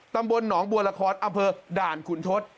ตำบลหนองบัวละครอำเภอด่านขุนทศ